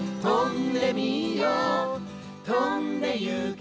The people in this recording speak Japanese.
「飛んでみよう！」